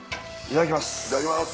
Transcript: いただきます。